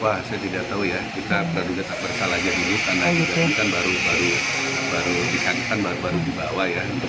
wah saya tidak tahu ya kita berada di tak bersalah aja dulu karena kita baru dikandikan baru dibawa ya